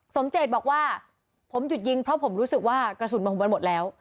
เจตบอกว่าผมหยุดยิงเพราะผมรู้สึกว่ากระสุนมันของมันหมดแล้ว